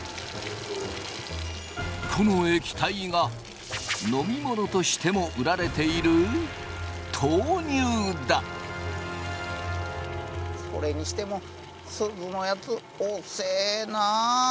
この液体が飲み物としても売られているそれにしてもすずのやつ遅えなあ。